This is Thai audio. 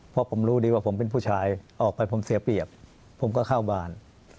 เพราะผมรู้ดีว่าผมเป็นผู้ชายออกไปผมเสียเปรียบผมก็เข้าบ้าน